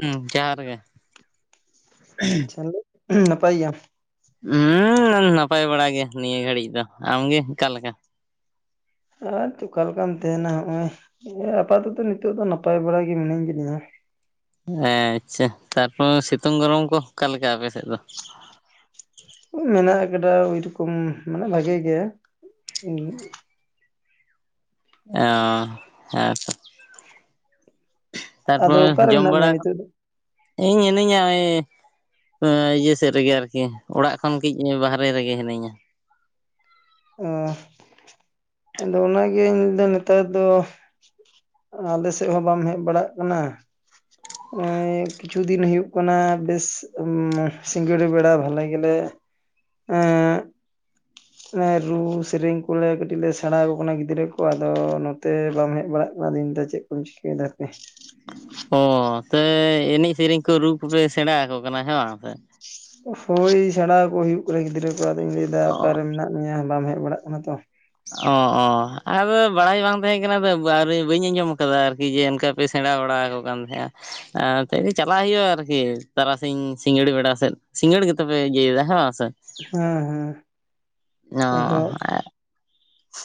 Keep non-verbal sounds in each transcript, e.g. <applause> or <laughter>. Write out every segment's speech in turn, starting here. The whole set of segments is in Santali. ᱦᱩᱸ ᱡᱚᱦᱟᱨ ᱜᱮ, ᱦᱩᱸ, ᱱᱟᱯᱟᱭ ᱜᱮᱭᱟᱢ? ᱦᱩᱸ, ᱱᱟᱯᱟᱭ ᱵᱟᱲᱟ ᱜᱮ, ᱱᱤᱭᱟᱹ ᱜᱷᱟᱹᱲᱤᱡ ᱫᱚ, ᱟᱢᱜᱮ ᱚᱠᱟᱞᱮᱠᱟ? ᱟᱨ ᱪᱮᱫᱠᱟ ᱞᱮᱠᱟᱢ ᱛᱟᱦᱮᱸᱱᱟ, ᱦᱚᱜᱼᱚᱭ ᱦᱮᱸ ᱟᱯᱟᱛᱚᱛᱚ ᱱᱤᱛᱚᱜ ᱫᱚ, ᱱᱟᱯᱟᱭ ᱵᱟᱲᱟ ᱜᱮ ᱢᱤᱱᱟᱹᱧ ᱠᱟᱹᱫᱤᱧᱟ᱾ ᱟᱪᱪᱷᱟ, ᱛᱟᱨᱯᱚᱨ ᱥᱤᱛᱩᱝ ᱜᱚᱨᱚᱢ ᱠᱚ, ᱚᱠᱟᱞᱮᱠᱟ ᱟᱯᱮᱥᱮᱫ ᱫᱚ? ᱢᱮᱱᱟᱜ ᱠᱟᱫᱟ, ᱳᱭ ᱨᱚᱠᱚᱢ ᱢᱟᱱᱮ ᱵᱷᱟᱜᱮ ᱜᱮ᱾ ᱚᱸ, ᱦᱮᱸᱛᱚ᱾ ᱟᱫᱚ ᱛᱟᱨᱯᱚᱨ ᱚᱠᱟᱨᱮ ᱡᱚᱢ ᱢᱮᱱᱟᱜ ᱵᱟᱲᱟ, ᱢᱮᱭᱟ ᱱᱤᱛᱚᱜ ᱫᱚ ᱤᱧ ᱢᱤᱱᱟᱹᱧᱟ ᱳᱭ ᱳᱭ ᱤᱭᱟᱹ ᱥᱮᱫ ᱨᱮᱜᱮ ᱟᱨᱠᱤ, ᱚᱲᱟᱜ ᱠᱷᱚᱱ ᱠᱟᱹᱡ ᱵᱟᱦᱟᱨᱮ, ᱨᱮᱜᱮ ᱦᱤᱱᱟᱹᱧᱟ᱾ ᱚ, ᱟᱫᱚ ᱚᱱᱟᱜᱤᱧ ᱞᱟᱹᱭᱫᱟ, ᱱᱮᱛᱟᱨ ᱫᱚ, ᱟᱞᱮ ᱥᱮᱫ ᱦᱚᱸ, ᱵᱟᱢ ᱦᱮᱡ ᱵᱟᱲᱟᱜ ᱠᱟᱱᱟ? <inaudible> <inaudible> ᱱᱚᱜᱼᱚᱭ ᱠᱤᱪᱷᱩ ᱫᱤᱱ ᱦᱩᱭᱩᱜ ᱠᱟᱱᱟ, ᱵᱮᱥ ᱥᱤᱸᱜᱟᱹᱲ ᱵᱮᱲᱟ ᱵᱷᱟᱞᱮ ᱜᱮᱞᱮ, ᱮᱸ, ᱮᱸ ᱨᱩ ᱥᱮᱨᱮᱧ ᱠᱚᱞᱮ ᱠᱟᱹᱴᱤᱡ ᱞᱮ, ᱥᱮᱬᱟ ᱟᱠᱚ ᱠᱟᱱᱟ ᱜᱤᱫᱽᱨᱟᱹ ᱠᱚ, ᱟᱫᱚ ᱛᱮ ᱵᱟᱢ ᱦᱮᱡ ᱵᱟᱲᱟᱜ ᱠᱟᱱᱟ, ᱫᱤᱱ ᱫᱚ ᱪᱮᱫ ᱠᱚᱢ ᱪᱤᱠᱟᱹᱭᱮᱫᱟ ᱦᱟᱯᱮ? ᱚ, ᱥᱮ ᱮᱱᱮᱡ ᱥᱮᱨᱮᱧ ᱠᱚ, ᱨᱩ ᱠᱚᱯᱮ ᱥᱮᱬᱟ ᱟᱠᱚ ᱠᱟᱱᱟ, ᱦᱮ ᱵᱟᱝ ᱥᱮ? ᱦᱳᱭ ᱥᱮᱬᱟ ᱟᱠᱚ ᱦᱳᱭᱩᱜ ᱠᱟᱱᱟ, ᱜᱤᱫᱽᱨᱟᱹ ᱠᱚ ᱟᱫᱚᱧ ᱞᱟᱹᱭᱫᱟ, ᱚ ᱚᱠᱟᱨᱮ ᱢᱮᱱᱟᱜ ᱢᱮᱭᱟ, ᱵᱟᱢ ᱦᱮᱡ ᱵᱟᱲᱟᱜ ᱠᱟᱱᱟ ᱛᱚ? ᱚ, ᱚ ᱟᱫᱚ ᱵᱟᱲᱟᱭ ᱵᱟᱝ ᱛᱟᱦᱮᱸ ᱠᱟᱱᱟ, ᱛᱚ ᱵᱟᱹᱧ ᱟᱸᱡᱚᱢ ᱠᱟᱫᱟ, ᱟᱨᱠᱤ ᱡᱮ ᱚᱱᱠᱟ ᱯᱮ ᱥᱮᱬᱟ ᱵᱟᱲᱟ, ᱟᱠᱚ ᱠᱟᱱ ᱛᱟᱦᱮᱸᱜᱼᱟ᱾ ᱮ ᱛᱮᱦᱮᱱ ᱫᱚ ᱪᱟᱞᱟᱜ ᱦᱩᱭᱩᱜᱼᱟ, ᱟᱨᱠᱤ ᱛᱟᱨᱟᱥᱤᱧ ᱥᱤᱸᱜᱟᱹᱲ ᱵᱮᱲᱟ ᱥᱮᱫ ᱥᱤᱸᱜᱟᱹᱲ ᱜᱮᱛᱚᱯᱮ ᱤᱭᱟᱹᱭᱫᱟ, ᱦᱮ ᱵᱟᱝ ᱥᱮ? ᱦᱮᱸ, ᱦᱮᱸ, ᱚ ᱟᱫᱚ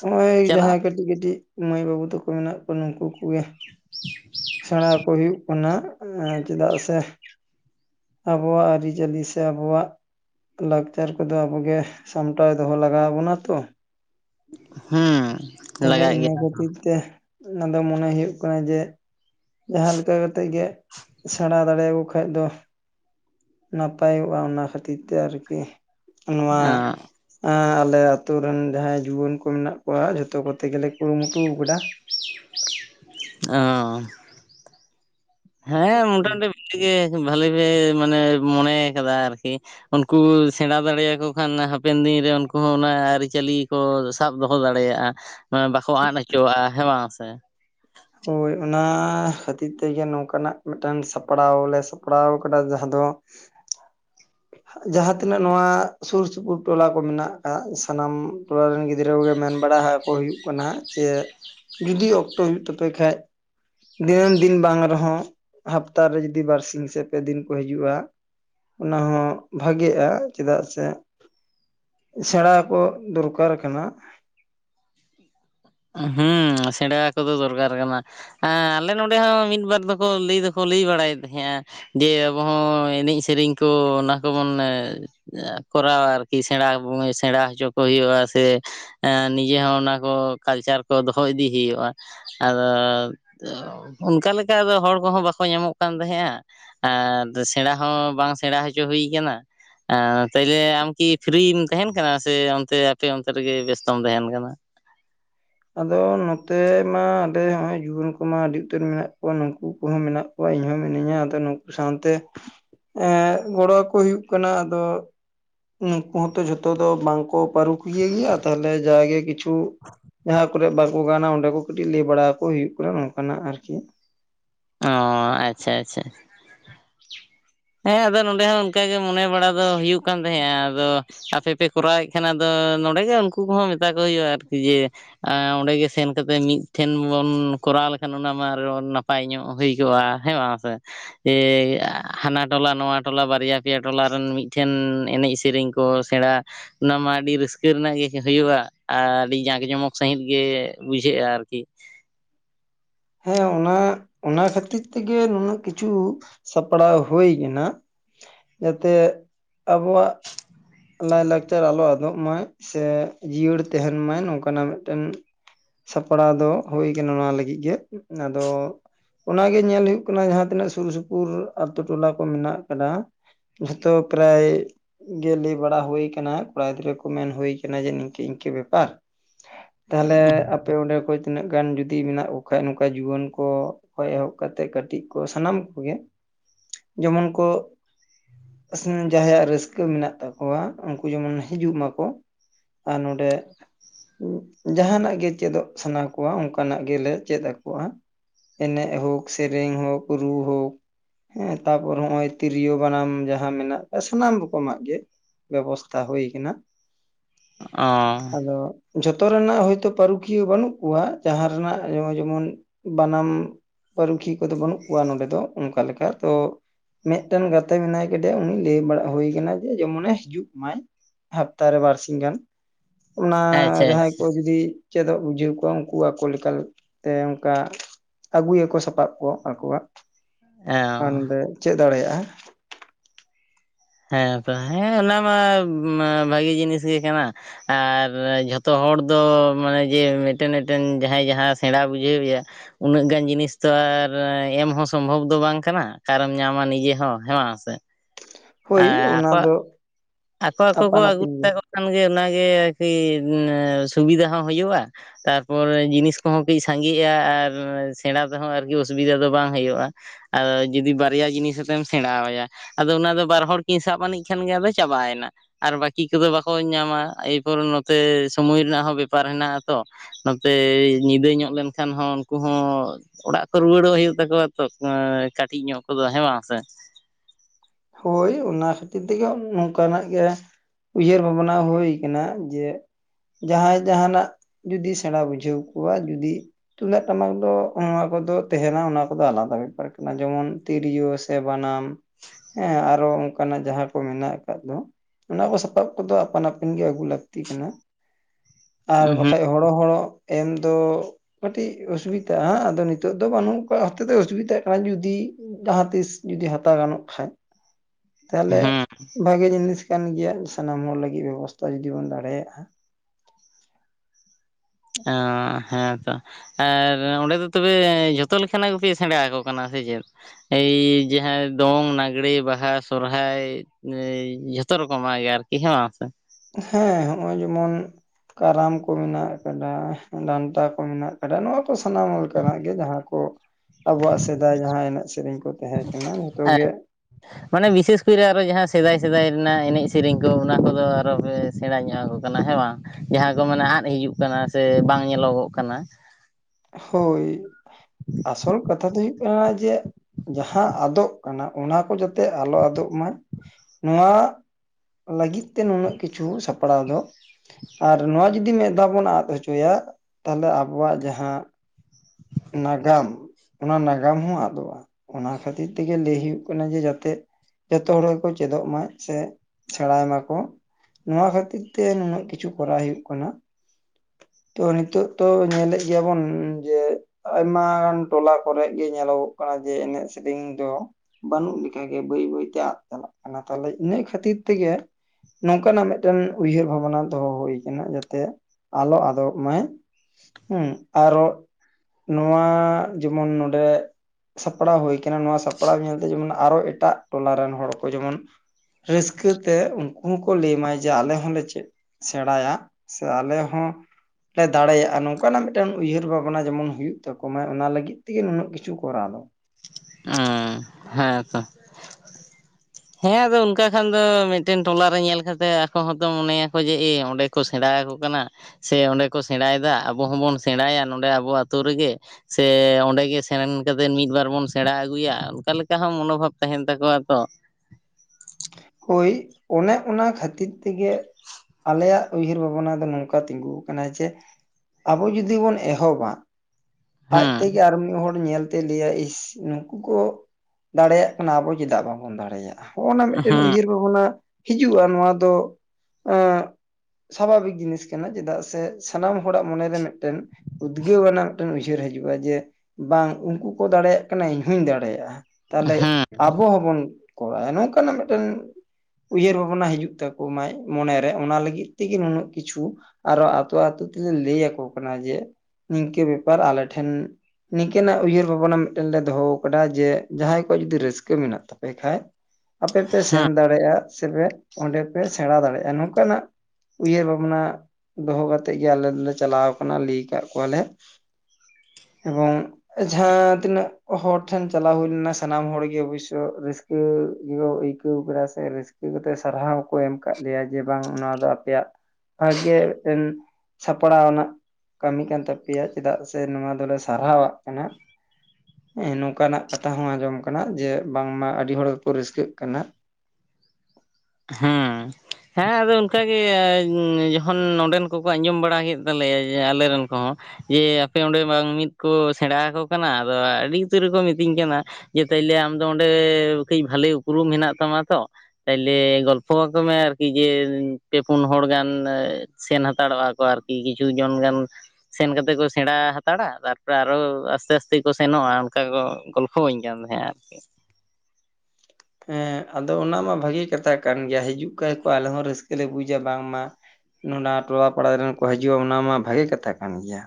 ᱱᱚᱜᱼᱚᱭ ᱪᱟᱞᱟᱜ ᱡᱟᱦᱟᱸᱭ ᱠᱟᱹᱴᱤᱡ, ᱠᱟᱹᱴᱤᱡ ᱢᱟᱹᱭ, ᱵᱟᱹᱵᱩ ᱛᱟᱠᱚ ᱢᱮᱱᱟᱜ ᱠᱚᱣᱟ, ᱱᱩᱱᱠᱩ ᱜᱮ ᱥᱮᱬᱟ ᱠᱚ ᱦᱩᱭᱩᱜ ᱠᱟᱱᱟ, ᱪᱮᱫᱟᱜ ᱥᱮ ᱟᱵᱚᱣᱟᱜ ᱟᱹᱨᱤᱪᱟᱹᱞᱤ, ᱥᱮ ᱟᱵᱚᱣᱟᱜ ᱞᱟᱠᱪᱟᱨ ᱠᱚᱫᱚ ᱟᱵᱚᱜᱮ, ᱥᱟᱢᱴᱟᱣ ᱫᱚᱦᱚ ᱞᱟᱜᱟᱣ ᱟᱵᱚᱱᱟ ᱛᱚ᱾ ᱦᱩᱸ, ᱛᱟᱦᱚᱞᱮ ᱞᱟᱜᱟᱜ ᱤᱱᱟᱹ ᱜᱮᱭᱟ ᱠᱷᱟᱹᱛᱤᱨ ᱛᱮ, ᱚᱱᱟ ᱫᱚ ᱢᱚᱱᱮ ᱦᱳᱭᱳᱜ ᱠᱟᱱᱟ ᱡᱮ ᱡᱟᱦᱟᱸ ᱞᱮᱠᱟ ᱠᱟᱛᱮᱜ ᱜᱮ, ᱥᱮᱬᱟ ᱫᱟᱲᱮᱭᱟ ᱠᱚ ᱵᱟ ᱠᱷᱟᱡ ᱫᱚ, ᱱᱟᱯᱟᱭᱚᱜᱼᱟ ᱚᱱᱟ ᱠᱷᱟᱹᱛᱤᱨ ᱛᱮ, ᱟᱨᱠᱤ ᱚ ᱱᱚᱶᱟ, ᱟᱸ, ᱟᱞᱮ ᱟᱛᱳ ᱨᱮᱱ ᱡᱟᱦᱟᱸᱭ ᱡᱩᱣᱟᱹᱱ ᱠᱚ ᱢᱮᱱᱟᱜ ᱠᱚᱣᱟ, ᱡᱷᱚᱛᱚ ᱠᱚᱛᱮ ᱜᱮᱞᱮ ᱠᱩᱨᱩᱢᱩᱴᱩ ᱠᱟᱫᱟ᱾ <inaudible> <inaudible> ᱚᱸ, ᱦᱮᱸ ᱢᱚᱴᱟ ᱢᱩᱴᱤ ᱩᱱᱤ ᱜᱮ, ᱵᱷᱟᱞᱤ ᱜᱮ ᱢᱟᱱᱮ ᱢᱚᱱᱮ ᱠᱟᱫᱟ ᱟᱨᱠᱤ? ᱩᱱᱠᱩ ᱥᱮᱬᱟ ᱫᱟᱲᱮᱭᱟᱠᱚ ᱠᱷᱟᱱ, ᱦᱟᱯᱮᱱ ᱫᱤᱱᱨᱮ ᱩᱱᱠᱩ ᱦᱚᱸ, ᱚᱱᱟ ᱟᱹᱨᱤᱪᱟᱹᱞᱤ ᱠᱚ ᱥᱟᱵ ᱫᱚᱦᱚ ᱫᱟᱲᱮᱭᱟᱜᱼᱟ, ᱢᱟᱱᱮ ᱵᱟᱠᱚ ᱟᱫ ᱦᱚᱪᱚᱣᱟᱜᱼᱟ, ᱦᱮᱸ ᱵᱟᱝ ᱥᱮ? ᱦᱳᱭ ᱚᱱᱟ ᱠᱷᱟᱹᱛᱤᱨ ᱛᱮᱜᱮ, ᱱᱚᱝᱠᱟᱱᱟᱜ ᱢᱤᱫᱴᱮᱱ ᱥᱟᱯᱲᱟᱣ ᱞᱮ, ᱥᱟᱯᱲᱟᱣ ᱠᱟᱫᱟ ᱡᱟᱦᱟᱸ ᱫᱚ <unintelligible> <inaudible> ᱡᱟᱦᱟᱸ ᱛᱤᱱᱟᱹᱜ ᱱᱚᱶᱟ, ᱥᱩᱨ ᱥᱩᱯᱩᱨ ᱴᱚᱞᱟ ᱠᱚ ᱢᱮᱱᱟᱜ-ᱟ, ᱥᱟᱱᱟᱢ ᱴᱚᱞᱟ ᱨᱮᱱ ᱜᱤᱫᱽᱨᱟᱹ ᱠᱚᱜᱮ ᱢᱮᱱ ᱵᱟᱲᱟ ᱠᱚ ᱦᱩᱭᱩᱜ ᱠᱟᱱᱟ ᱡᱮ, ᱡᱩᱫᱤ ᱚᱠᱛᱚ ᱦᱩᱭᱩᱜ ᱛᱟᱯᱮ ᱠᱷᱟᱡ ᱫᱤᱱᱟᱹᱢ ᱫᱤᱱ ᱵᱟᱝ ᱨᱮᱦᱚᱸ, ᱦᱟᱯᱛᱟ ᱨᱮ ᱡᱩᱫᱤ ᱵᱟᱨᱥᱤᱧ ᱥᱮ, ᱯᱮ ᱫᱤᱱ ᱠᱚ ᱦᱤᱡᱩᱜᱼᱟ᱾ ᱚᱱᱟ ᱦᱚᱸ ᱵᱷᱟᱜᱮᱜᱼᱟ, ᱪᱮᱫᱟᱜ ᱥᱮ ᱥᱮᱬᱟ ᱠᱚ ᱫᱚᱨᱠᱟᱨ ᱠᱟᱱᱟ᱾ ᱦᱩᱸ ᱥᱮᱬᱟᱣᱟ ᱠᱚᱫᱚ ᱫᱚᱨᱠᱟᱨ ᱠᱟᱱᱟ᱾ ᱟᱸ ᱟᱞᱮ ᱱᱚᱰᱮ ᱦᱚᱸ ᱢᱤᱫ ᱵᱟᱨ ᱫᱚᱠᱚ ᱞᱟᱹᱭ ᱫᱚᱠᱚ ᱞᱟᱹᱭ ᱵᱟᱲᱟᱭᱮᱫ ᱛᱟᱦᱮᱸᱫ-ᱟ᱾ ᱡᱮ ᱟᱵᱚ ᱦᱚᱸ ᱮᱱᱮᱡ ᱥᱮᱨᱮᱧ ᱠᱚ ᱚᱱᱟ ᱠᱚᱵᱚᱱ ᱠᱚᱨᱟᱣᱟ ᱟᱨᱠᱤ ᱥᱮᱬᱟ ᱟᱵᱩ ᱥᱮᱬᱟ ᱦᱚᱪᱚ ᱠᱚ ᱦᱩᱭᱩᱜ-ᱟ ᱥᱮ᱾ ᱮᱸ ᱱᱤᱡᱮ ᱦᱚᱸ ᱚᱱᱟ ᱠᱚ ᱠᱟᱞᱪᱟᱨ ᱠᱚ ᱫᱚᱦᱚ ᱤᱫᱤ ᱦᱩᱭᱩᱜ-ᱟ ᱟᱨ ᱫᱚ ᱚᱱᱠᱟ ᱞᱮᱠᱟ ᱟᱫᱚ ᱦᱚᱲ ᱠᱚᱦᱚᱸ ᱵᱟᱠᱚ ᱧᱟᱢᱚᱜ ᱠᱟᱱ ᱛᱟᱦᱮᱸᱫ-ᱟ᱾ ᱟᱨ ᱥᱮᱬᱟ ᱦᱚᱸ ᱵᱟᱝ ᱥᱮᱬᱟ ᱦᱚᱪᱚ ᱦᱩᱭ ᱠᱟᱱᱟ᱾ ᱮᱸ ᱛᱟᱦᱞᱮ ᱟᱢ ᱠᱤ ᱯᱷᱨᱤᱢ ᱛᱟᱦᱮᱸᱱ ᱠᱟᱱᱟ ᱥᱮ ᱚᱱᱛᱮ ᱟᱯᱮ ᱚᱱᱛᱮ ᱨᱮᱜᱮ ᱵᱮᱥᱛᱚᱢ ᱛᱟᱦᱮᱸᱱ ᱠᱟᱱᱟ᱾ ᱟᱫᱚ ᱱᱚᱛᱮ ᱢᱟ ᱟᱞᱮ ᱦᱚᱸᱜ-ᱚᱭ ᱡᱩᱣᱟᱹᱱ ᱠᱚᱢᱟ ᱟᱹᱰᱤ ᱩᱛᱟᱹᱨ ᱢᱮᱱᱟᱜ ᱠᱚᱣᱟ᱾ ᱱᱩᱠᱩ ᱠᱚᱦᱚᱸ ᱢᱮᱱᱟᱜ ᱦᱳᱭ ᱤᱧ ᱦᱚᱸ ᱢᱤᱱᱟᱹᱧᱟ, ᱟᱫᱚ ᱱᱩᱠᱩ ᱥᱟᱶᱛᱮ ᱮᱸ ᱜᱚᱲᱚ ᱟᱠᱚ ᱦᱩᱭᱩᱜ ᱠᱟᱱᱟ᱾ ᱟᱫᱚ ᱱᱩᱠᱩ ᱦᱚᱸᱛᱚ ᱡᱷᱚᱛᱚ ᱫᱚ ᱵᱟᱝ ᱠᱚ ᱯᱟᱹᱨᱩᱠᱷᱤᱭᱟᱹ ᱜᱮᱭᱟ ᱛᱟᱦᱞᱮ ᱡᱟ ᱜᱮ ᱠᱤᱪᱷᱩ ᱡᱟᱦᱟᱸ ᱠᱚᱨᱮ ᱵᱟᱠᱚ ᱜᱟᱱᱟ ᱚᱸᱰᱮ ᱠᱚ ᱠᱟᱹᱴᱤᱡ ᱞᱟᱹᱭ ᱵᱟᱲᱟ ᱦᱩᱭᱩᱜ ᱠᱟᱱᱟ ᱱᱚᱝᱠᱟᱱᱟᱜ ᱟᱨᱠᱤ᱾ ᱚᱸ ᱟᱪᱪᱷᱟ ᱟᱪᱪᱷᱟ ᱦᱮᱸ ᱟᱫᱚ ᱱᱚᱸᱰᱮ ᱦᱚᱸ ᱚᱱᱠᱟ ᱜᱮ ᱢᱚᱱᱮ ᱵᱟᱲᱟ ᱫᱚ ᱦᱩᱭᱩᱜ ᱠᱟᱱ ᱛᱟᱦᱮᱸᱫ-ᱟ᱾ ᱟᱫᱚ ᱟᱯᱮ ᱯᱮ ᱠᱚᱨᱟᱣᱮᱫ ᱠᱷᱟᱱ ᱟᱫᱚ ᱱᱚᱰᱮᱜᱮ ᱩᱱᱠᱩ ᱠᱚᱦᱚᱸ ᱢᱮᱛᱟ ᱠᱚ ᱦᱩᱭᱩᱜ-ᱟ ᱟᱨᱠᱤ᱾ ᱡᱮ ᱮᱸ ᱚᱸᱰᱮᱜ ᱜᱮ ᱥᱮᱱ ᱠᱟᱛᱮ ᱢᱤᱫ ᱴᱷᱮᱱ ᱵᱚᱱ ᱠᱚᱨᱟᱣ ᱞᱮᱠᱷᱟᱱ ᱚᱱᱟ ᱢᱟ ᱟᱨᱚ ᱱᱟᱯᱟᱭ ᱧᱚᱜ ᱦᱩᱭ ᱠᱚᱜᱼᱟ ᱦᱮᱸ ᱵᱟᱝ ᱥᱮ᱾ ᱮᱸ ᱦᱟᱱᱟ ᱴᱚᱞᱟ ᱱᱚᱣᱟ ᱴᱚᱞᱟ ᱵᱟᱨᱭᱟ ᱯᱮᱭᱟ ᱴᱚᱞᱟ ᱨᱮᱱ ᱢᱤᱫᱴᱷᱮᱱ ᱮᱱᱮᱡ ᱥᱮᱨᱮᱧ ᱠᱚ ᱥᱮᱬᱟ᱾ ᱚᱱᱟ ᱢᱟ ᱟᱹᱰᱤ ᱨᱟᱹᱥᱠᱟᱹ ᱨᱮᱱᱟᱜ ᱜᱮ ᱦᱩᱭᱩᱜ-ᱟ ᱟᱨ ᱟᱹᱰᱤ ᱡᱟᱸᱠ ᱡᱚᱢᱚᱠ ᱥᱟᱹᱦᱤᱡ ᱜᱮ ᱵᱩᱡᱷᱟᱹᱜ-ᱟ ᱟᱨᱠᱤ᱾ ᱦᱮᱸ ᱚᱱᱟ ᱚᱱᱟ ᱠᱷᱟᱹᱛᱤᱨ ᱛᱮᱜᱮ ᱱᱩᱱᱟᱹᱜ ᱠᱤᱪᱷᱩ ᱥᱟᱯᱲᱟᱣ ᱦᱩᱭ ᱠᱟᱱᱟ᱾ ᱡᱟᱛᱮ ᱟᱵᱚᱣᱟᱜ ᱞᱟᱭ ᱞᱟᱠᱪᱟᱨ ᱟᱞᱚ ᱟᱫᱚᱜ ᱢᱟ ᱥᱮ ᱡᱤᱭᱟᱹᱲ ᱛᱟᱦᱮᱸᱱ ᱢᱟ ᱱᱚᱝᱠᱟᱱᱟᱜ ᱢᱮᱫᱴᱮᱱ ᱥᱟᱯᱲᱟᱣ ᱫᱚ ᱦᱩᱭ ᱠᱟᱱᱟ ᱚᱱᱟ ᱞᱟᱹᱜᱤᱫ ᱜᱮ᱾ ᱟᱫᱚ ᱚᱱᱟ ᱜᱮ ᱧᱮᱞ ᱦᱩᱭᱩᱜ ᱠᱟᱱᱟ ᱡᱟᱦᱟᱸ ᱛᱤᱱᱟᱹᱜ ᱥᱩᱨ ᱥᱩᱯᱩᱨ ᱟᱛᱳ ᱴᱚᱞᱟ ᱠᱚ ᱢᱮᱱᱟᱜ ᱠᱟᱫᱟ᱾ ᱡᱷᱚᱛᱚ ᱯᱨᱟᱭ ᱜᱮ ᱞᱟᱹᱭ ᱵᱟᱲᱟ ᱦᱩᱭ ᱠᱟᱱᱟ᱾ ᱠᱚᱲᱟ ᱜᱤᱫᱽᱨᱟᱹ ᱠᱚ ᱢᱮᱱ ᱦᱩᱭ ᱠᱟᱱᱟ ᱡᱮ ᱱᱤᱝᱠᱟᱹ ᱤᱱᱠᱟᱹ ᱵᱮᱯᱟᱨ᱾ ᱛᱟᱦᱚᱞᱮ ᱟᱯᱮ ᱚᱸᱰᱮ ᱠᱷᱚᱡ ᱛᱤᱱᱟᱹᱜ ᱜᱟᱱ ᱡᱩᱫᱤ ᱢᱮᱱᱟᱜ ᱠᱚ ᱠᱷᱟᱡ ᱱᱚᱝᱠᱟ ᱡᱩᱣᱟᱹᱱ ᱠᱚ᱾ ᱠᱷᱚᱡ ᱮᱦᱚᱵ ᱠᱟᱛᱮᱫ ᱠᱟᱹᱴᱤᱡ ᱠᱚ ᱥᱟᱱᱟᱢ ᱠᱚᱜᱮ ᱡᱮᱢᱚᱱ ᱠᱚ <unintelligible> ᱡᱟᱦᱟᱸᱭᱟᱜ ᱨᱟᱹᱥᱠᱟᱹ ᱢᱮᱱᱟᱜ ᱛᱟᱠᱚᱣᱟ᱾ ᱠᱚᱣᱟ ᱩᱱᱠᱩ ᱡᱮᱢᱚᱱ ᱦᱤᱡᱩᱜ ᱢᱟᱠᱚ ᱟᱨ ᱱᱚᱸᱰᱮ ᱡᱟᱦᱟᱸᱱᱟᱜ ᱜᱮ ᱪᱮᱫᱚᱜ ᱥᱟᱱᱟ ᱠᱚᱣᱟ, ᱚᱱᱠᱟᱱᱟᱜ ᱜᱮᱞᱮ ᱪᱮᱫ ᱟᱠᱚᱣᱟ᱾ ᱮᱱᱮᱡ ᱦᱳᱠ, ᱥᱮᱨᱮᱧ ᱦᱳᱠ, ᱨᱩ ᱦᱳᱠ, ᱦᱮᱸ ᱛᱟᱯᱚᱨ ᱱᱚᱜ-ᱚᱭ ᱛᱤᱨᱭᱳ ᱵᱟᱱᱟᱢ ᱡᱟᱦᱟᱸ ᱢᱮᱱᱟᱜ ᱟᱠᱟᱫ ᱥᱟᱱᱟᱢ ᱨᱚᱠᱚᱢᱟᱜ ᱜᱮ᱾ ᱵᱮᱵᱚᱥᱛᱟ ᱦᱩᱭ ᱠᱟᱱᱟ᱾ ᱚᱸ ᱟᱫᱚ ᱡᱷᱚᱛᱚ ᱨᱮᱱᱟᱜ ᱦᱚᱳᱛᱳ ᱯᱟᱹᱨᱩᱠᱷᱤᱭᱟᱹ ᱵᱟᱹᱱᱩᱜ ᱠᱚᱣᱟ᱾ ᱡᱟᱦᱟᱸ ᱨᱮᱱᱟᱜ ᱱᱚᱣᱟ ᱡᱮᱢᱚᱱ ᱵᱟᱱᱟᱢ ᱯᱟᱹᱨᱩᱠᱷᱤᱭᱟᱹ ᱠᱚᱫᱚ ᱵᱟᱹᱱᱩᱜ ᱠᱚᱣᱟ ᱱᱚᱸᱰᱮ ᱫᱚ ᱚᱱᱠᱟ ᱞᱮᱠᱟ ᱛᱚ᱾ ᱢᱤᱫᱴᱮᱱ ᱜᱟᱛᱮ ᱢᱮᱱᱟᱭ ᱠᱮᱫᱮᱭᱟ ᱩᱱᱤ ᱞᱟᱹᱭ ᱵᱟᱲᱟ ᱦᱩᱭ ᱠᱟᱱᱟ ᱡᱮ ᱡᱮᱢᱚᱱᱮ ᱦᱤᱡᱩᱜ ᱢᱟᱭ ᱦᱟᱯᱛᱟᱨᱮ ᱵᱟᱨ ᱥᱤᱧ ᱜᱟᱱ᱾ ᱚᱱᱟ ᱟᱪᱪᱷᱟ ᱡᱟᱦᱟᱸᱭ ᱠᱚ ᱟᱪᱪᱷᱟ ᱡᱩᱫᱤ ᱪᱮᱫᱚᱜ ᱵᱩᱡᱷᱟᱹᱣ ᱠᱚᱣᱟ ᱩᱱᱠᱩ ᱟᱠᱚ ᱞᱮᱠᱟ ᱛᱮ ᱚᱱᱠᱟ ᱟᱹᱜᱩᱭᱟᱠᱚ ᱥᱟᱯᱟᱵ ᱠᱚ ᱟᱠᱚᱣᱟᱜ ᱟᱨ ᱚ ᱱᱚᱸᱰᱮ ᱪᱮᱫ ᱫᱟᱲᱮᱭᱟᱜ-ᱟ᱾ ᱦᱮᱸ ᱛᱚ ᱦᱮᱸ ᱚᱱᱟᱢᱟ ᱵᱷᱟᱹᱜᱤ ᱡᱤᱱᱤᱥ ᱜᱮ ᱠᱟᱱᱟ᱾ ᱟᱨ ᱡᱷᱚᱛᱚ ᱦᱚᱲ ᱫᱚ ᱢᱟᱱᱮ ᱡᱮ ᱢᱤᱫᱴᱮᱱ ᱢᱤᱫᱴᱮᱱ ᱡᱟᱦᱟᱸᱭ ᱡᱟᱦᱟᱸ ᱥᱮᱬᱟ ᱵᱩᱡᱷᱟᱹᱣᱮᱭᱟ᱾ ᱩᱱᱟᱹᱜ ᱜᱟᱱ ᱡᱤᱱᱤᱥ ᱛᱚ ᱟᱨ ᱮᱢ ᱦᱚᱸ ᱥᱚᱢᱵᱷᱚᱵ ᱫᱚ ᱵᱟᱝ ᱠᱟᱱᱟ, ᱟᱠᱟᱨᱮᱢ ᱧᱟᱢᱟ ᱱᱤᱡᱮ ᱦᱚᱸ ᱦᱮᱸ ᱵᱟᱝ ᱥᱮ? ᱦᱳᱭ ᱟ ᱚᱱᱟ ᱟᱠᱚᱣᱟᱜ ᱫᱚ ᱟᱠᱚ ᱟᱠᱚ ᱠᱚ ᱟᱯᱟᱱ ᱟᱹᱜᱩ ᱟᱹᱯᱤᱱ ᱜᱮ ᱟᱠᱚ ᱠᱷᱟᱱ ᱜᱮ ᱚᱱᱟᱜᱮ ᱟᱨᱠᱤ ᱥᱩᱵᱤᱫᱟ ᱦᱚᱸ ᱦᱩᱭᱩᱜᱼᱟ, ᱛᱟᱨᱯᱚᱨᱮ ᱡᱤᱱᱤᱥ ᱠᱚᱦᱚᱸ ᱠᱟᱹᱡ ᱥᱟᱸᱜᱮᱜᱼᱟ ᱟᱨ ᱥᱮᱬᱟ ᱛᱮᱦᱚᱸ ᱟᱨᱠᱤ ᱚᱥᱩᱵᱤᱫᱷᱟ ᱫᱚ ᱵᱟᱝ ᱦᱩᱭᱩᱜᱼᱟ᱾ ᱟᱫᱚ ᱡᱩᱫᱤ ᱵᱟᱨᱭᱟ ᱡᱤᱱᱤᱥᱛᱮᱢ ᱥᱮᱬᱟᱣ ᱟᱭᱟ ᱟᱫᱚ ᱚᱱᱟ ᱫᱚ ᱵᱟᱨ ᱦᱚᱲ ᱠᱤᱱ ᱥᱟᱵ ᱟᱹᱱᱤᱡ ᱠᱷᱟᱱᱜᱮ ᱟᱫᱟ ᱪᱟᱵᱟᱭᱱᱟ᱾ ᱟᱨ ᱵᱟᱹᱠᱤ ᱠᱚᱫᱚ ᱵᱟᱠᱚ ᱧᱟᱢᱟ ᱮᱨᱯᱚᱨ ᱱᱚᱛᱮ ᱥᱚᱢᱚᱭ ᱨᱮᱱᱟᱜ ᱦᱚᱸ ᱵᱮᱯᱟᱨ ᱦᱮᱱᱟᱜ ᱟᱛᱚ᱾ ᱱᱚᱛᱮ ᱧᱤᱫᱟᱹ ᱧᱚᱜ ᱞᱮᱱᱠᱷᱟᱱ ᱦᱚᱸ ᱩᱱᱠᱩ ᱦᱚᱸ ᱚᱲᱟᱜ ᱠᱚ ᱨᱩᱭᱣᱟᱹᱲᱚᱜ ᱦᱩᱭᱩᱜ ᱛᱟᱠᱚᱣᱟ ᱛᱚ, ᱠᱟᱹᱴᱤᱡ ᱧᱚᱜ ᱠᱚᱫᱚ ᱦᱮᱸ ᱵᱟᱝᱥᱮ? ᱦᱳᱭ ᱚᱱᱟ ᱠᱷᱟᱹᱛᱤᱨ ᱛᱮᱜᱮ ᱱᱚᱝᱠᱟᱱᱟᱜ ᱜᱮ ᱩᱭᱦᱟᱹᱨ ᱵᱷᱟᱵᱽᱱᱟ ᱦᱩᱭ ᱠᱟᱱᱟ, ᱡᱮ ᱡᱟᱦᱟᱸᱭ ᱡᱟᱸᱦᱟᱱᱟᱜ ᱡᱩᱫᱤ ᱥᱮᱬᱟ ᱵᱩᱡᱷᱟᱹᱣ ᱠᱚᱣᱟ ᱡᱩᱫᱤ ᱛᱩᱢᱫᱟᱹᱜ ᱴᱟᱢᱟᱠ ᱫᱚ ᱦᱮᱸ ᱟᱵᱚ ᱫᱚ ᱛᱟᱸᱦᱮᱱᱟ, ᱚᱱᱟ ᱠᱚᱫᱚ ᱟᱞᱟᱫᱟ ᱵᱮᱯᱟᱨ ᱠᱟᱱᱟ ᱡᱮᱢᱚᱱ ᱛᱤᱨᱭᱳ ᱥᱮ ᱵᱟᱱᱟᱢ ᱦᱮᱸ ᱟᱨᱚ ᱚᱱᱠᱟᱱᱟᱜ ᱡᱟᱦᱟᱸ ᱠᱚ ᱢᱮᱱᱟᱜ ᱠᱟᱫ ᱫᱚ ᱚᱱᱟ ᱠᱚ ᱥᱟᱯᱟᱵ ᱠᱚᱫᱚ ᱟᱯᱟᱱ ᱟᱹᱯᱤᱱ ᱜᱮ ᱟᱹᱜᱩ ᱞᱟᱹᱠᱛᱤ ᱠᱟᱱᱟ, ᱟᱨ ᱦᱩᱸ ᱵᱟᱠᱷᱟᱡ ᱦᱚᱲᱚ ᱦᱚᱲᱚᱜ ᱮᱢ ᱫᱚ ᱠᱟᱹᱴᱤᱡ ᱚᱥᱩᱵᱤᱫᱟᱼᱟᱜ ᱟᱫᱚ ᱱᱤᱛᱚᱜ ᱫᱚ ᱵᱟᱹᱱᱩᱜ ᱠᱟ ᱦᱚᱛᱮ ᱛᱮ ᱚᱥᱩᱵᱤᱛᱟᱜ ᱠᱟᱱᱟ ᱡᱩᱫᱤ ᱡᱟᱦᱟᱸᱛᱤᱥ ᱡᱩᱫᱤ ᱦᱟᱛᱟᱣ ᱜᱟᱱᱚᱜ ᱠᱷᱟᱡ ᱛᱟᱦᱚᱞᱮ ᱦᱩᱸ ᱵᱷᱟᱜᱮ ᱡᱤᱱᱤᱥ ᱠᱟᱱ ᱜᱮᱭᱟ ᱥᱟᱱᱟᱢ ᱦᱚᱲ ᱞᱟᱹᱜᱤᱫ ᱵᱮᱵᱚᱥᱛᱷᱟ ᱡᱩᱫᱤ ᱵᱚᱱ ᱫᱟᱲᱮᱭᱟᱜᱼᱟ᱾ ᱮᱻ ᱦᱮᱸ ᱛᱚ᱾ ᱟᱨ ᱚᱸᱰᱮ ᱫᱚ ᱛᱚᱵᱮ ᱡᱷᱚᱛᱚ ᱞᱮᱠᱟᱱᱟᱜ ᱜᱮᱯᱮ ᱥᱮᱬᱟ ᱟᱠᱚ ᱠᱟᱱᱟ ᱥᱮ ᱪᱮᱫ? ᱮᱭ ᱡᱟᱦᱟᱸ ᱫᱚᱝ ᱞᱟᱜᱽᱲᱮ ᱵᱟᱦᱟ ᱥᱚᱨᱦᱟᱭ ᱡᱷᱚᱛᱚ ᱨᱚᱠᱚᱢᱟᱜ ᱜᱮ ᱟᱨ <unintelligible> ᱦᱮᱸ ᱦᱚᱸᱜᱼᱚᱭ ᱡᱮᱢᱚᱱ ᱠᱟᱨᱟᱢ ᱠᱚ ᱢᱮᱱᱟᱜ ᱠᱟᱫᱟ, ᱰᱟᱱᱴᱟ ᱠᱚ ᱢᱮᱱᱟᱜ ᱠᱟᱫᱟ, ᱱᱚᱣᱟ ᱠᱚ ᱥᱟᱱᱟᱢ ᱞᱮᱠᱟᱱᱟᱜ ᱜᱮ ᱡᱟᱦᱟᱸ ᱠᱚ ᱟᱵᱚᱣᱟᱜ ᱥᱮᱫᱟᱭ ᱡᱟᱦᱟᱸ ᱮᱱᱮᱡ ᱥᱮᱨᱮᱧ ᱠᱚ ᱛᱟᱦᱮᱸ ᱠᱟᱱᱟ ᱡᱷᱚᱛᱚ ᱜᱮ ᱢᱟᱱᱮ ᱵᱤᱥᱮᱥ ᱠᱚᱨᱮ ᱟᱨᱚ ᱡᱟᱦᱟᱸ ᱥᱮᱫᱟᱭ ᱥᱮᱫᱟᱭ ᱨᱮᱱᱟᱜ ᱮᱱᱮᱡ ᱥᱮᱨᱮᱧ ᱠᱚ ᱚᱱᱟ ᱠᱚᱫᱚ ᱟᱨᱚ ᱯᱮ ᱥᱮᱬᱟ ᱧᱚᱜ ᱟᱠᱚ ᱠᱟᱱᱟ ᱦᱮᱸ ᱵᱟᱝ ᱡᱟᱦᱟᱸ ᱠᱚ ᱢᱟᱱᱮ ᱟᱫ ᱦᱤᱡᱩᱜ ᱠᱟᱱᱟ ᱥᱮ ᱵᱟᱝ ᱧᱮᱞᱚᱜᱚ ᱠᱟᱱᱟ᱾ ᱦᱳᱭ ᱟᱥᱚᱞ ᱠᱟᱛᱷᱟ ᱫᱚ ᱦᱩᱭᱩᱜ ᱠᱟᱱᱟ ᱡᱮ ᱡᱟᱦᱟᱸ ᱟᱫᱚᱜ ᱠᱟᱱᱟ ᱚᱱᱟ ᱠᱚ ᱡᱟᱛᱮ ᱟᱞᱚ ᱟᱫᱚᱜ ᱢᱟ, ᱱᱚᱣᱟ ᱞᱟᱹᱜᱤᱫ ᱛᱮ ᱱᱩᱱᱟᱹᱜ ᱠᱤᱪᱷᱩ ᱥᱟᱯᱲᱟᱣ ᱫᱚ᱾ ᱟᱨ ᱱᱚᱣᱟ ᱡᱩᱫᱤ ᱢᱮᱹᱫ ᱫᱷᱟᱹᱣ ᱵᱚᱱ ᱟᱫ ᱦᱚᱪᱚᱭᱟ, ᱛᱟᱦᱞᱮ ᱟᱵᱚᱣᱟᱜ ᱡᱟᱦᱟᱸ ᱱᱟᱜᱟᱢ ᱚᱱᱟ ᱱᱟᱜᱟᱢ ᱦᱚᱸ ᱟᱫᱚᱜᱼᱟ, ᱚᱱᱟ ᱠᱷᱟᱹᱛᱤᱨ ᱛᱮᱜᱮ ᱞᱟᱹᱭ ᱦᱩᱭᱩᱜ ᱠᱟᱱᱟ ᱡᱮ ᱡᱟᱛᱮ ᱡᱷᱚᱛᱚ ᱦᱚᱲ ᱜᱮᱠᱚ ᱪᱮᱫᱚᱜ ᱢᱟ ᱥᱮ ᱥᱮᱬᱟᱭ ᱢᱟᱠᱚ᱾ ᱱᱚᱣᱟ ᱠᱷᱟᱹᱛᱤᱨ ᱛᱮ ᱱᱩᱱᱟᱹᱜ ᱠᱤᱪᱷᱩ ᱠᱚᱨᱟᱣ ᱦᱩᱭᱩᱜ ᱠᱟᱱᱟ᱾ ᱛᱚ ᱱᱤᱛᱚᱜ ᱛᱚ ᱧᱮᱞᱮᱫ ᱜᱮᱭᱟᱵᱚᱱ ᱡᱮ ᱟᱭᱢᱟ ᱴᱚᱞᱟ ᱠᱚᱨᱮ ᱜᱮ ᱧᱮᱞᱚᱼᱜᱚ ᱠᱟᱱᱟ ᱡᱮ ᱮᱱᱮᱡ ᱥᱮᱨᱮᱧ ᱫᱚ ᱵᱟᱹᱱᱩᱜ ᱞᱮᱠᱟᱜᱮ ᱵᱟᱹᱭ ᱵᱟᱹᱭᱛᱮ ᱟᱫ ᱪᱟᱞᱟᱜ ᱠᱟᱱᱟ, ᱛᱟᱦᱚᱞᱮ ᱤᱱᱟᱹ ᱠᱷᱟᱹᱛᱤᱨ ᱛᱮᱜᱮ ᱱᱚᱝᱠᱟᱱᱟᱜ ᱢᱤᱫᱴᱮᱱ ᱩᱭᱦᱟᱹᱨ ᱵᱷᱟᱵᱽᱱᱟ ᱫᱚᱦᱚ ᱦᱩᱭ ᱠᱟᱱᱟ ᱡᱟᱛᱮ ᱟᱞᱚ ᱟᱫᱚᱜ ᱢᱟ᱾ ᱦᱩᱸ ᱟᱨᱚ ᱱᱚᱣᱟ ᱡᱮᱢᱚᱱ ᱱᱚᱰᱮ ᱥᱟᱯᱲᱟᱣ ᱦᱩᱭ ᱠᱟᱱᱟ ᱱᱚᱣᱟ ᱥᱟᱯᱲᱟᱣ ᱧᱮᱞᱛᱮ ᱡᱮᱢᱚᱱ ᱟᱨᱚ ᱮᱴᱟᱜ ᱴᱚᱞᱟ ᱨᱮᱱ ᱦᱚᱲ ᱠᱚ ᱡᱮᱢᱚᱱ ᱨᱟᱹᱥᱠᱟᱹ ᱛᱮ ᱩᱱᱠᱩ ᱦᱚᱸᱠᱚ ᱞᱟᱹᱭᱢᱟᱭ ᱡᱮ ᱟᱞᱮ ᱦᱚᱸᱞᱮ ᱪᱮᱫ ᱥᱮᱬᱟᱭᱟ ᱥᱮ ᱟᱞᱮ ᱦᱚᱸ ᱞᱮ ᱫᱟᱲᱮᱭᱟᱜᱼᱟ ᱱᱚᱝᱠᱟᱱᱟᱜ ᱢᱤᱫᱴᱮᱱ ᱩᱭᱦᱟᱹᱨ ᱵᱷᱟᱵᱽᱱᱟ ᱡᱮᱢᱚᱱ ᱦᱩᱭᱩᱜ ᱛᱟᱠᱚ ᱢᱟ, ᱚᱱᱟ ᱞᱟᱹᱜᱤᱫ ᱛᱮᱜᱮ ᱱᱩᱱᱟᱹᱜ ᱠᱤᱪᱷᱩ ᱠᱚᱨᱟᱣ ᱫᱚ᱾ ᱮᱸ ᱦᱮᱸ ᱛᱚ᱾ ᱦᱮᱸ ᱟᱫᱚ ᱚᱱᱠᱟ ᱠᱷᱟᱱ ᱫᱚ ᱢᱤᱫᱴᱮᱱ ᱴᱚᱞᱟ ᱨᱮ ᱧᱮᱞ ᱠᱟᱛᱮᱜ ᱟᱠᱚ ᱦᱚᱸᱛᱚ ᱢᱚᱱᱮᱭᱟ ᱠᱚ ᱡᱮ ᱮ ᱚᱸᱰᱮ᱾ ᱠᱚ ᱥᱮᱬᱟ ᱠᱚ ᱠᱟᱱᱟ ᱥᱮ ᱚᱸᱰᱮ ᱠᱚ ᱥᱮᱬᱟᱭ ᱫᱟ, ᱟᱵᱚ ᱦᱚᱸᱵᱚᱱ ᱥᱮᱬᱟᱭᱟ ᱱᱚᱸᱰᱮ ᱟᱵᱚ ᱟᱛᱳ ᱨᱮ ᱜᱮ᱾ ᱥᱮ ᱚᱸᱰᱮ ᱜᱮ ᱥᱮᱱ ᱠᱟᱛᱮᱫ ᱢᱤᱫ ᱵᱟᱨ ᱵᱚᱱ ᱥᱮᱬᱟ ᱟᱹᱜᱩᱭᱟ ᱚᱠᱟ ᱞᱮᱠᱟ ᱦᱚᱸ ᱢᱚᱱᱳᱵᱷᱟᱵ ᱛᱟᱸᱦᱮᱱ ᱛᱟᱠᱚᱣᱟ ᱛᱚ᱾ ᱦᱳᱭ, ᱚᱱᱮ ᱚᱱᱟ ᱠᱷᱟᱹᱛᱤᱨ ᱛᱮ ᱜᱮ᱾ ᱟᱞᱮᱭᱟᱜ ᱩᱭᱦᱟᱹᱨ ᱵᱷᱟᱵᱽᱱᱟ ᱫᱚ ᱱᱚᱝᱠᱟ ᱛᱤᱸᱜᱩ ᱠᱟᱱᱟ ᱡᱮ, ᱟᱵᱚ ᱡᱩᱫᱤ ᱵᱚᱱ ᱮᱦᱚᱵᱟ᱾ ᱟᱡᱽ ᱛᱮ ᱜᱮ ᱦᱮᱸ ᱟᱨ ᱢᱤᱫ ᱦᱚᱲ ᱧᱮᱞ᱾ ᱞᱟᱹᱭᱟ ᱤᱥ ᱱᱩᱠᱩ ᱠᱚ ᱫᱟᱲᱮᱭᱟᱜ ᱠᱟᱱᱟ ᱟᱵᱚ ᱪᱮᱫᱟᱜ ᱵᱟᱵᱚᱱ ᱫᱟᱲᱮᱭᱟᱜᱼᱟ᱾ ᱦᱚᱜᱼ ᱱᱟ ᱢᱤᱫᱴᱮᱱ ᱦᱮᱸ ᱦᱮᱸ ᱩᱭᱦᱟᱹᱨ ᱵᱷᱟᱵᱽᱱᱟ ᱦᱤᱡᱩᱜᱼᱟ ᱱᱚᱣᱟ ᱫᱚ ᱮᱸ᱾ ᱥᱟᱵᱷᱟᱵᱤᱠ ᱡᱤᱱᱤᱥ ᱠᱟᱱᱟ ᱪᱮᱫᱟᱜ ᱥᱮ ᱥᱟᱱᱟᱢ ᱦᱚᱲᱟᱜ ᱢᱚᱱᱮ ᱨᱮ ᱢᱤᱫᱴᱮᱱ ᱩᱫᱽᱜᱟᱹᱣ ᱟᱱᱟᱜ ᱾ ᱩᱭᱦᱟᱹᱨ ᱦᱤᱡᱩᱜᱼᱟ ᱡᱮ, ᱵᱟᱝ ᱩᱱᱠᱩ ᱠᱚ ᱫᱟᱲᱮᱭᱟᱜ ᱠᱟᱱᱟ ᱤᱧ ᱦᱩᱸᱧ ᱫᱟᱲᱮᱭᱟᱜᱼᱟ᱾ ᱛᱟᱦᱚ ᱞᱮ ᱦᱮᱸ ᱟᱵᱚ ᱦᱚᱸᱵᱚᱱ ᱠᱚᱨᱟᱣᱟ, ᱱᱚᱝᱠᱟᱱᱟ-ᱜ ᱢᱤᱫᱴᱮᱱ᱾ ᱩᱭᱦᱟᱹᱨ ᱵᱷᱟᱵᱽᱱᱟ ᱦᱤᱡᱩᱜ ᱛᱟᱠᱚ ᱢᱟᱭ ᱢᱚᱱᱮ ᱨᱮ ᱚᱱᱟ ᱞᱟᱹᱜᱤᱫ ᱛᱮ ᱜᱮ ᱱᱩᱱᱟᱹᱜ ᱠᱤᱪᱷᱩ᱾ ᱟᱨᱚ, ᱟᱛᱩ ᱟᱛᱩ ᱛᱤᱧ ᱞᱟᱹᱭ ᱟᱠᱚ ᱠᱟᱱᱟ ᱡᱮ ᱱᱤᱝᱠᱟᱹ ᱵᱮᱯᱟᱨ ᱟᱞᱮ ᱴᱷᱮᱱ᱾ ᱱᱤᱝᱠᱟᱹᱱᱟᱜ ᱩᱭᱦᱟᱹᱨ ᱵᱷᱟᱵᱽᱱᱟ ᱢᱤᱫᱴᱮᱱ ᱞᱮ ᱫᱚᱦᱚ ᱟᱠᱟᱫ-ᱟ ᱡᱮ, ᱡᱟᱦᱟᱸᱭ ᱠᱚ ᱡᱩᱫᱤ ᱨᱟᱹᱥᱠᱟᱹ ᱢᱮᱱᱟᱜ ᱛᱟᱯᱮ ᱠᱷᱟᱡᱽ᱾ <unintelligible> ᱟᱯᱮ ᱯᱮ ᱥᱮᱱ ᱫᱟᱲᱮᱭᱟᱜᱼᱟ, ᱥᱮᱯᱮ ᱚᱸᱰᱮ ᱯᱮ ᱥᱮᱬᱟ ᱫᱟᱲᱮᱭᱟᱜᱼᱟ, ᱱᱚᱝᱠᱟᱱᱟᱜ᱾ ᱩᱭᱦᱟᱹᱨ ᱵᱷᱟᱵᱽᱱᱟ ᱫᱚᱦᱚᱸ ᱠᱟᱛᱮᱫ, ᱜᱮ ᱟᱞᱮ ᱫᱚ ᱞᱮ ᱪᱟᱞᱟᱣ ᱠᱟᱱᱟ ᱞᱟᱹᱭ ᱠᱟᱜ ᱠᱚᱣᱟ ᱞᱮ᱾ ᱮᱵᱚᱝ ᱡᱟᱸᱦᱟ ᱛᱤᱱᱟᱹᱜ ᱦᱚᱲ ᱴᱷᱮᱱ ᱪᱟᱞᱟᱣ ᱦᱳᱣ ᱞᱮᱱᱟ ᱥᱟᱱᱟᱢ ᱦᱚᱲ ᱜᱮ ᱚᱵᱚᱥᱥᱚ ᱨᱟᱹᱥᱠ ᱨᱟᱹᱥᱠᱟᱹ ᱜᱮ ᱠᱚ ᱟᱹᱭᱠᱟᱹᱣ ᱠᱟᱫᱟ ᱥᱮ, ᱨᱟᱹᱥᱠᱟᱹ ᱠᱟᱛᱮ ᱥᱟᱨᱦᱟᱣ ᱠᱚ ᱮᱢ ᱟᱠᱟᱜ ᱞᱮᱭᱟ ᱡᱮ, ᱵᱟᱝ ᱱᱚᱣᱟ ᱫᱚ ᱟᱯᱮᱭᱟᱜ᱾ ᱵᱷᱟᱜᱮ ᱢᱤᱴᱟᱝ ᱥᱟᱯᱲᱟᱣ ᱨᱮᱱᱟᱜ ᱠᱟᱹᱢᱤ ᱠᱟᱱ ᱛᱟᱯᱮᱭᱟ᱾ ᱪᱮᱫᱟᱜ ᱥᱮ, ᱱᱚᱣᱟ ᱫᱚᱞᱮ ᱥᱟᱨᱦᱟᱣᱟᱜ ᱠᱟᱱᱟ᱾ ᱮᱸ ᱱᱚᱝᱠᱟᱱᱟᱜ ᱠᱟᱛᱷᱟ ᱦᱚᱸ ᱟᱸᱡᱚᱢ ᱠᱟᱱᱟ ᱡᱮ, ᱵᱟᱝᱢᱟ ᱟᱹᱰᱤ ᱦᱚᱲ ᱜᱮ ᱠᱚ ᱨᱟᱹᱥᱠᱟᱹᱜ ᱠᱟᱱᱟ᱾ ᱦᱩᱸ, ᱦᱮᱸ, ᱟᱫᱚ ᱚᱱᱠᱟ ᱜᱮ ᱡᱚᱠᱷᱚᱱ ᱱᱚᱸᱰᱮᱱ ᱠᱚᱠᱚ ᱟᱸᱡᱚᱢ ᱵᱟᱲᱟ ᱠᱮᱫ ᱛᱟᱞᱮᱭᱟ ᱡᱮ, ᱟᱞᱮᱨᱮᱱ ᱠᱚᱦᱚᱸ᱾ ᱡᱮ ᱟᱯᱮ ᱚᱸᱰᱮ ᱵᱟᱝ ᱢᱤᱫ ᱠᱚ ᱥᱮᱬᱟ ᱟᱠᱚ ᱠᱟᱱᱟ ᱟᱫᱚ ᱟᱹᱰᱤ ᱩᱛᱟᱹᱨ ᱠᱚ ᱢᱤᱛᱟᱹᱧ ᱠᱟᱱᱟ᱾ ᱡᱮ ᱛᱟᱦᱞᱮ ᱟᱢ ᱫᱚ ᱚᱸᱰᱮ ᱠᱟᱹᱡᱽ ᱵᱷᱟᱞᱮ ᱩᱯᱨᱩᱢ ᱢᱮᱱᱟᱜ ᱛᱟᱢᱟ ᱛᱚ᱾ ᱛᱟᱦ ᱞᱮ ᱜᱚᱞᱯᱚ ᱟᱠᱚ ᱢᱮᱸ ᱟᱨ ᱠᱤ ᱡᱮ, ᱯᱮ ᱯᱩᱱ ᱦᱚᱲ ᱜᱟᱱ ᱥᱮᱱ ᱦᱟᱛᱟᱲᱚᱜᱼᱟ ᱠᱚ ᱟᱨᱠᱤ ᱠᱤᱪᱷᱩ ᱡᱚᱱ ᱜᱟᱱ᱾ ᱥᱮᱱ ᱠᱟᱛᱮ ᱠᱚ ᱥᱮᱬᱟ ᱦᱟᱛᱟᱲᱟ᱾ ᱛᱟᱨᱯᱚᱨᱮ, ᱟᱨᱚ ᱟᱥᱛᱮ ᱟᱥᱛᱮ ᱠᱚ ᱥᱮᱱᱚᱜᱼᱟ ᱚᱱᱠᱟ ᱜᱚᱞ ᱦᱳᱭᱧ ᱠᱟᱱ ᱛᱟᱦᱮᱸᱼᱟ ᱦᱮᱸ ᱟᱫᱚ ᱚᱱᱟ ᱢᱟ ᱵᱷᱟᱜᱮ ᱠᱟᱛᱷᱟ ᱠᱟᱱ ᱜᱮᱭᱟ ᱦᱤᱡᱩᱜ ᱠᱷᱟᱡ ᱠᱚ ᱟᱞᱮ ᱦᱚᱸ ᱨᱟᱹᱥᱠᱟᱹ ᱞᱮ ᱵᱩᱡᱟ ᱵᱟᱝᱢᱟ᱾ ᱚᱱᱚ ᱴᱚᱞᱟ ᱯᱟᱲᱟ ᱨᱮᱱ ᱠᱚ ᱦᱤᱡᱩᱜᱼᱟ ᱚᱱᱟ ᱢᱟ ᱵᱷᱟᱜᱮ ᱠᱟᱛᱷᱟ ᱠᱟᱱ ᱜᱮᱭᱟ᱾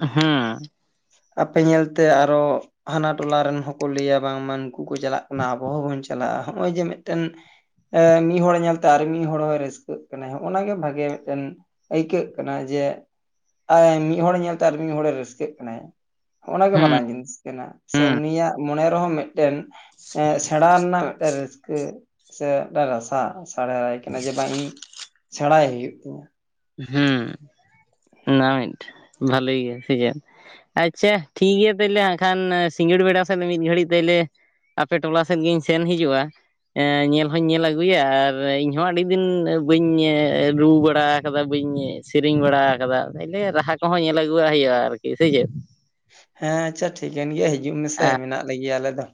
ᱦᱩᱸ, ᱟᱯᱮ ᱧᱮᱞ ᱛᱮ ᱟᱨᱚ᱾ ᱦᱟᱱᱟ ᱴᱚᱞᱟ ᱨᱮᱱ ᱦᱚᱸᱠᱚ ᱞᱟᱹᱭᱟ ᱵᱟᱝᱢᱟ ᱱᱩᱸᱠᱩ ᱠᱚ ᱪᱟᱞᱟᱜ ᱠᱟᱱᱟ ᱟᱵᱚ ᱦᱚᱸᱵᱚᱱ ᱪᱟᱞᱟᱜᱼᱟ ᱱᱚᱜᱼᱚᱭ ᱡᱮ ᱢᱤᱫᱴᱮᱱ᱾ ᱮᱸ ᱢᱤᱫ ᱦᱚᱸᱲ ᱧᱮᱞᱛᱮ ᱟᱨ ᱢᱤᱫ ᱦᱚᱸᱲ ᱦᱚᱸ ᱨᱟᱹᱥᱠᱟᱹᱜ ᱠᱟᱱᱟᱭ ᱚᱱᱟ ᱜᱮ ᱵᱷᱟᱜᱮ ᱢᱤᱫᱴᱮᱱ᱾ ᱟᱹᱭᱠᱟᱹᱜ ᱠᱟᱱᱟ ᱡᱮ, ᱟᱭ ᱢᱤᱫ ᱦᱚᱸᱲ ᱧᱮᱞ ᱛᱮ ᱟᱨ ᱢᱤᱫ ᱦᱚᱸᱲ ᱮ ᱨᱟᱹᱥᱠᱟᱹᱜ ᱠᱟᱱᱟᱭ᱾ ᱚᱱᱟ ᱜᱮ ᱦᱩᱸ ᱢᱟᱨᱟᱝ ᱡᱤᱱᱤᱥ ᱠᱟᱱᱟ ᱥᱮ ᱦᱩᱸ ᱩᱱᱤᱭᱟᱜ ᱢᱚᱱᱮ ᱨᱮᱦᱚᱸ ᱢᱤᱫᱴᱮᱱ᱾ ᱮᱸ ᱥᱮᱬᱟ ᱨᱮᱱᱟᱜ ᱢᱤᱫᱴᱮᱱ ᱨᱟᱹᱥᱠᱟᱹ᱾ ᱥᱮ ᱨᱟᱥᱟ ᱟᱥᱬᱟᱭ ᱠᱟᱱᱟ ᱡᱮ ᱵᱟᱝ ᱤᱧ ᱥᱮᱬᱟᱭ ᱦᱩᱭᱩᱜ ᱛᱤᱧᱟᱹ᱾ ᱦᱩᱸ, ᱚᱱᱟ ᱢᱤᱫᱴᱮ ᱵᱷᱟᱞᱮ ᱜᱮ ᱥᱮ ᱪᱮᱫ? ᱟᱪᱪᱷᱟ ᱴᱷᱤᱠ ᱜᱮᱭᱟ ᱛᱟᱦᱞᱮ, ᱦᱟᱸᱠᱷᱟᱱ ᱥᱤᱸᱜᱟᱹᱲ ᱵᱮᱲᱟ ᱥᱮᱫ ᱢᱤᱫ ᱜᱷᱟᱹᱲᱤᱡᱽ ᱛᱟᱦᱞᱮ᱾ ᱟᱯᱮ ᱴᱚᱞᱟ ᱥᱮᱡ ᱜᱤᱧ ᱥᱮᱱ ᱦᱤᱡᱩᱜᱼᱟ᱾ ᱮᱸ ᱧᱮᱞ ᱦᱚᱧ ᱧᱮᱞ ᱟᱹᱜᱩᱭᱟ ᱟᱨ ᱤᱧ ᱦᱚᱸ ᱟᱹᱰᱤ ᱫᱤᱱ ᱵᱟᱹᱧ ᱨᱩ ᱵᱟᱲᱟ᱾ ᱠᱟᱫᱟ, ᱵᱟᱹᱧ ᱥᱮᱨᱮᱧ ᱵᱟᱲᱟ ᱠᱟᱫᱟ, ᱛᱟᱦᱚᱞᱮ ᱨᱟᱦᱟ ᱠᱚᱦᱚᱸ ᱧᱮᱞ ᱟᱹᱜᱩᱣᱟᱜ ᱦᱳᱭᱳᱜᱼᱟ ᱟᱨᱠᱤ, ᱥᱮ ᱪᱮᱫ? ᱦᱮᱸ, ᱟᱪᱪᱷᱟ ᱴᱷᱤᱠᱟᱹᱱ ᱜᱮᱭᱟ ᱦᱤᱡᱩᱜ ᱢᱮᱥᱮ ᱢᱮᱱᱟᱜ ᱞᱮ ᱜᱮᱭᱟ ᱟᱞᱮ ᱫᱚ᱾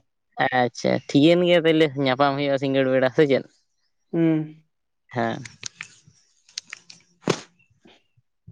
ᱟᱪᱪᱷᱟ, ᱴᱷᱤᱠᱟᱹᱱ ᱜᱮᱭᱟ ᱛᱟᱦᱞᱮ ᱧᱟᱯᱟᱢ ᱦᱳᱭᱳᱜᱼᱟ ᱥᱤᱸᱜᱟᱹᱲ ᱵᱮᱸᱲᱟ ᱥᱮ ᱪᱮᱫ? ᱦᱩᱸ, ᱦᱮᱸ᱾ <inaudible>